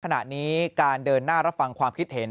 ขณะนี้การเดินหน้ารับฟังความคิดเห็น